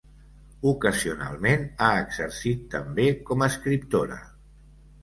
Ocasionalment ha exercit també com escriptora.